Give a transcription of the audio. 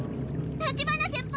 立花先輩